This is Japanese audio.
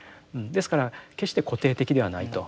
ですから決して固定的ではないと。